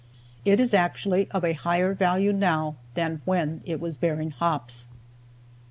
It is actually of a higher value now than when it was bearing hops.